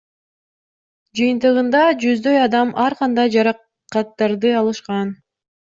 Жыйынтыгында жүздөй адам ар кандай жаракаттарды алышкан.